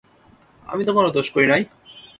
আমি তো কোনো দোষ করি নাই।